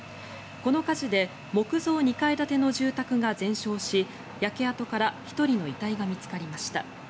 この火事で木造２階建ての住宅が全焼し焼け跡から１人の遺体が見つかりました。